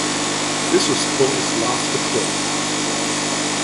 This was Poel's last patrol.